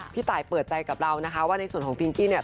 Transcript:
พี่ตายเปิดใจกับเรานะคะว่าในส่วนของฟิงกี้เนี่ย